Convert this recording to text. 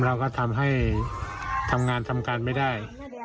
เราก็ทำให้ทำงานทำการไม่ได้